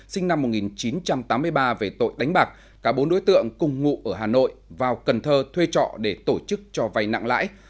sinh năm một nghìn chín trăm tám mươi ba về tội đánh bạc cả bốn đối tượng cùng ngụ ở hà nội vào cần thơ thuê trọ để tổ chức cho vay nặng lãi